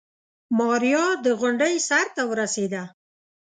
ماريا د غونډۍ سر ته ورسېده.